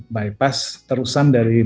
bypass terusan dari